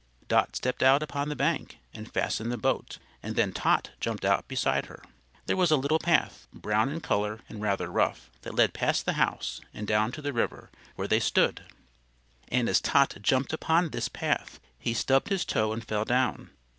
Dot stepped out upon the bank and fastened the boat, and then Tot jumped out beside her. There was a little path, brown in color and rather rough, that led past the house and down to the river where they stood, and as Tot jumped upon this path he stubbed his toe and fell down.